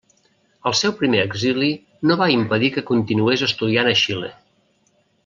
El seu primer exili no va impedir que continués estudiant a Xile.